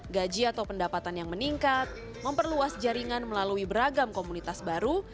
gaji atau pendapatan yang meningkat memperluas jaringan melalui beragam komunitas baru